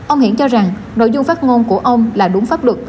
ông hiển cho rằng nội dung phát ngôn của ông là đúng pháp luật